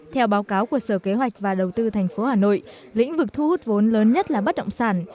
theo báo cáo của sở kế hoạch và đầu tư tp hà nội lĩnh vực thu hút vốn lớn nhất là bất động sản